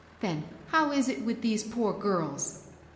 Then how is it with these poor girls